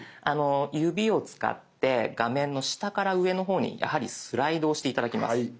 指を使って画面の下から上の方にスライドをして頂きます。